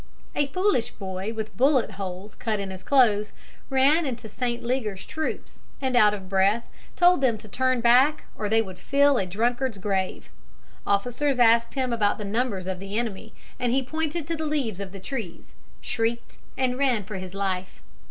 A foolish boy with bullet holes cut in his clothes ran into St. Leger's troops, and out of breath told them to turn back or they would fill a drunkard's grave. Officers asked him about the numbers of the enemy, and he pointed to the leaves of the trees, shrieked, and ran for his life.